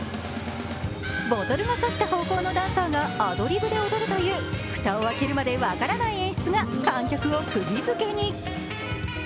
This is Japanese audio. ボトルが指した方向のダンサーがアドリブで踊るという蓋を開けるまで分からない演出が観客をくぎづけに。